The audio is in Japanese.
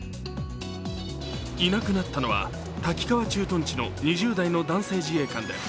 いなくなったのは滝川駐屯地の２０代の男性自衛官です。